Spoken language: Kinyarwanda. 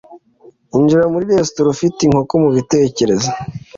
injira muri resitora ufite inkoko mubitekerezo